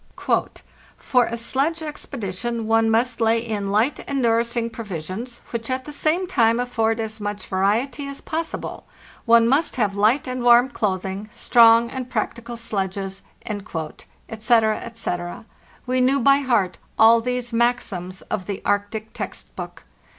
"For a sledge expedi tion one must lay in light and nourishing provisions, which at the same time afford as much variety as possi ble; one must have light and warm clothing, strong and practical sledges," etc., ete—we knew by heart all these maxims of the Arctic text book.